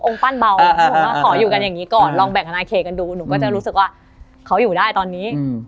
ปั้นเบาเขาบอกว่าขออยู่กันอย่างนี้ก่อนลองแบ่งทนายเคกันดูหนูก็จะรู้สึกว่าเขาอยู่ได้ตอนนี้